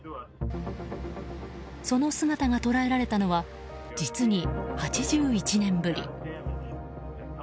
その姿が捉えられたのは実に８１年ぶり。